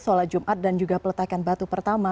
sholat jumat dan juga peletakan batu pertama